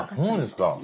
そうですか。